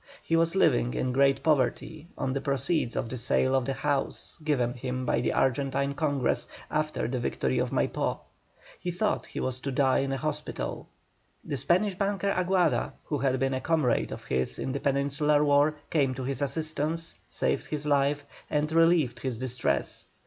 He was living in great poverty on the proceeds of the sale of the house given him by the Argentine Congress after the victory of Maipó. He thought he was to die in a hospital. The Spanish banker Aguada, who had been a comrade of his in the Peninsular War, came to his assistance, saved his life, and relieved his distress.